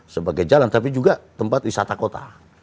sebagai jalan tapi juga tempat wisata kota